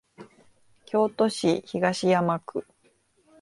京都市東山区